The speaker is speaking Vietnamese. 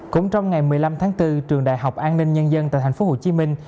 cũng trong ngày một mươi năm tháng bốn trường đại học an ninh nhân dân tại thành phố hồ chí minh